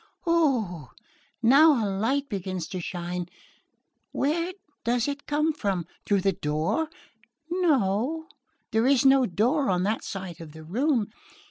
Oh, now a light begins to shine...where does it come from? Through the door? No, there is no door on that side of the room...